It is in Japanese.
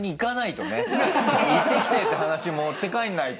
「行ってきたよ」って話持って帰らないと。